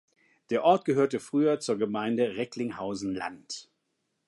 Der Ort gehörte früher zur Gemeinde "Recklinghausen-Land".